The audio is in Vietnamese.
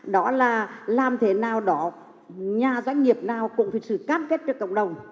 đó là làm thế nào đó nhà doanh nghiệp nào cũng thực sự cam kết cho cộng đồng